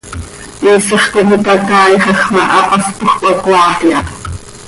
Iisax com itacaaixaj ma, hapaspoj cöhacoaat iha.